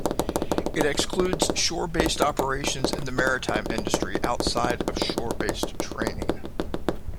It excludes shore based operations in the maritime industry outside of shore based training.